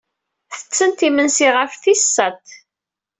Tettent imensi ɣef tis sat.